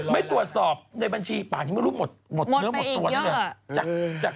มันมักตรวจสอบในบัญชีบางทีไม่รู้เงินหมดตัวเหรอ